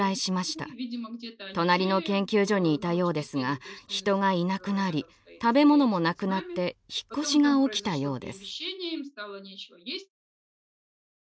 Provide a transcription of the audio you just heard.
隣の研究所にいたようですが人がいなくなり食べ物もなくなって引っ越しが起きたようです。